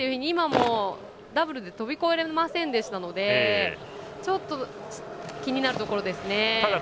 今もダブルで飛び越えられませんでしたのでちょっと、気になるところですね。